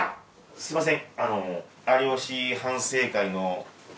すいません。